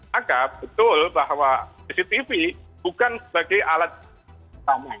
maka betul bahwa cctv bukan sebagai alat utama